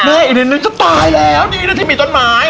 แม่อีกนิดนึงจะตายแล้วนี่อีกนิดนึงมีต้นไม้